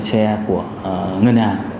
của ngân hàng